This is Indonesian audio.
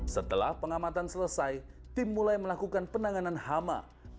setelah pengamatan selesai tim mulai melakukan penanganan hama